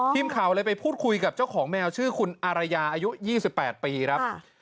ทีมข่าวเลยไปพูดคุยกับเจ้าของแมวชื่อคุณอารยาอายุ๒๘ปีครับ